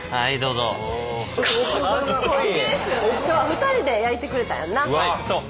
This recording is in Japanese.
今日は２人で焼いてくれたんやんな。